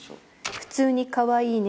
「“普通にかわいいね。”